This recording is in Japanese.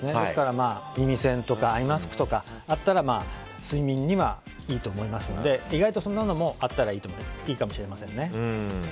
耳栓とかアイマスクがあれば睡眠にはいいと思いますので意外とそんなのもあったらいいかもしれませんね。